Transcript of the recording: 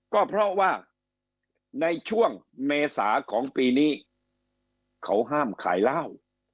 ก็เพราะว่าในช่วงเมษาของปีนี้เขาห้ามขายเหล้า